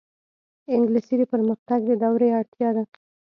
انګلیسي د پرمختګ د دورې اړتیا ده